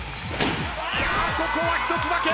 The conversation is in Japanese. ここは１つだけ！